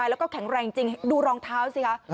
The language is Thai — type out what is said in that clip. แล้วก็แข็งแรงจริงดูรองเท้าสิคะ